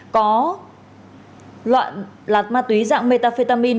có loại lạt ma túy dạng methamphetamine